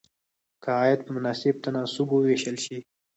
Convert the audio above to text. که عاید په مناسب تناسب وویشل شي.